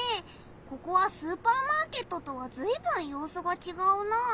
ここはスーパーマーケットとはずいぶんようすがちがうなあ。